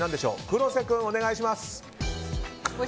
黒瀬君、お願いします。